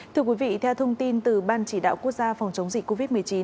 thưa quý vị theo thông tin từ ban chỉ đạo quốc gia phòng chống dịch covid một mươi chín